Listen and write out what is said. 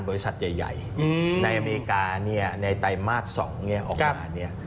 บริษัทใหญ่ในอเมริกาในไตรมาส๒ออกมาดีกว่าคาด